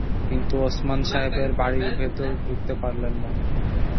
কিন্তু ওসমান সাহেবের বাড়ির ভেতর ঢুকতে পারলেন না।